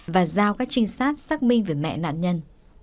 và giao các trinh sát xác minh về mẹ nạn nhân